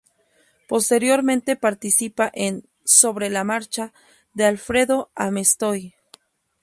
Posteriormente participa en "Sobre la marcha" de Alfredo Amestoy.